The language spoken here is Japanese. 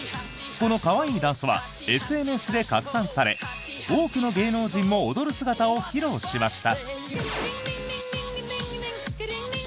この可愛いダンスはＳＮＳで拡散され多くの芸能人も踊る姿を披露しました。